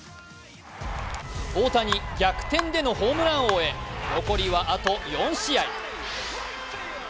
大谷、逆転でのホームラン王へ、残りはあと４試合。